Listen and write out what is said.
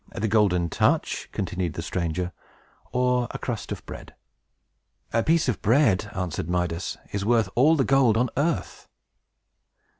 "The Golden Touch," continued the stranger, "or a crust of bread?" "A piece of bread," answered Midas, "is worth all the gold on earth!"